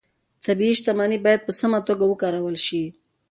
طبیعي شتمنۍ باید په سمه توګه وکارول شي